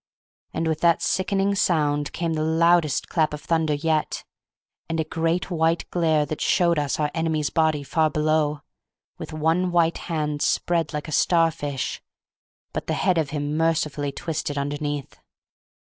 And with that sickening sound came the loudest clap of thunder yet, and a great white glare that showed us our enemy's body far below, with one white hand spread like a starfish, but the head of him mercifully twisted underneath.